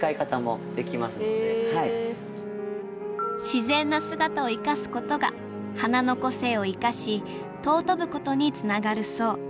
自然な姿をいかすことが花の個性をいかし尊ぶことにつながるそう。